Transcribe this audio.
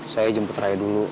saya jemput raya dulu